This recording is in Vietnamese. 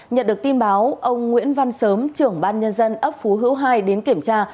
nhận được tin báo ông nguyễn văn sớm trưởng ban nhân dân ấp phú hữu hai đến kiểm tra